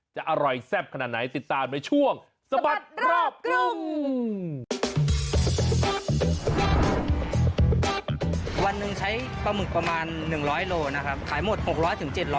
จะอร่อยแซ่บขนาดไหนติดตามในช่วงสะบัดรอบกรุง